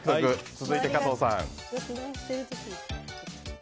続いて加藤さん。